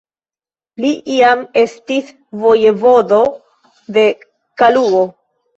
Li iam estis vojevodo de Kalugo.